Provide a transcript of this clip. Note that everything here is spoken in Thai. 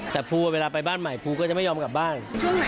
แต่ภูเวลาไปบ้านใหม่ภูก็จะไม่ยอมกลับบ้าน